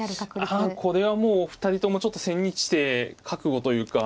あこれはもう２人ともちょっと千日手覚悟というか。